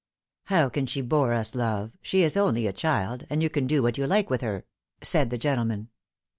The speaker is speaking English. " How can she bore us, love ? She is only a child, and you can do what you like with her," said the gentleman.